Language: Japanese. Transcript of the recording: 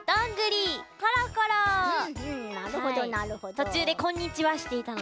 とちゅうで「こんにちは」していたので。